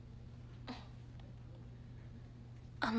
あの。